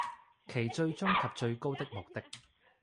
其最終及最高的目的